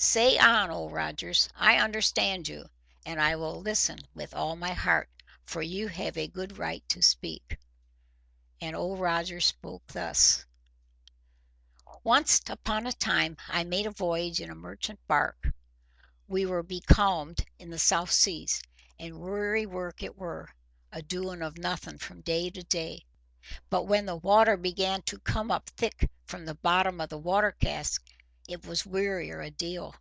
"Say on, Old Rogers. I understand you, and I will listen with all my heart, for you have a good right to speak." And Old Rogers spoke thus:— "Oncet upon a time, I made a voyage in a merchant barque. We were becalmed in the South Seas. And weary work it wur, a doin' of nothin' from day to day. But when the water began to come up thick from the bottom of the water casks, it was wearier a deal.